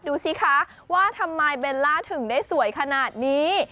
ดูสิคะว่าทำไมเบลล่าถึงได้สวยขนาดนี้